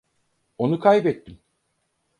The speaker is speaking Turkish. Onu kaybettim.